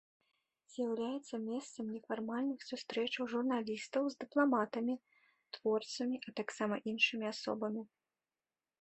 З'яўляецца месцам нефармальных сустрэчаў журналістаў з дыпламатамі, творцамі, а таксама іншымі асобамі.